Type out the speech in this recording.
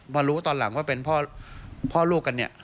มารู้ตอนหลังว่าเป็นพ่อลูกกันเนี่ย